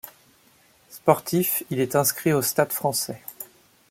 Sportif, il est inscrit au Stade français.